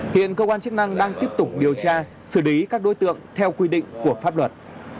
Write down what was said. hiện cơ quan chức năng đang tiếp tục điều tra xử lý các đối tượng theo quy định của pháp luật